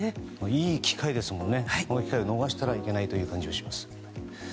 いい機会ですからこの機会を逃したらいけないという感じがします。